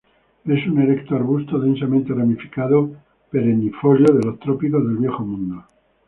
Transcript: Es un erecto arbusto densamente ramificado perennifolio de los trópicos del Viejo Mundo.